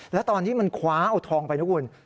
แล้วตอนที่มันคว้าเอาทองไปนะคุณ